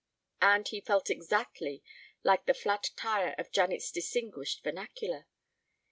And he felt exactly like the flat tyre of Janet's distinguished vernacular.